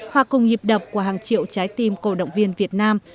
hoặc cùng nhịp đập của hàng triệu trái tim cầu động viên việt nam